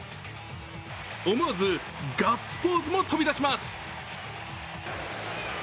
思わずガッツポーズも飛び出します。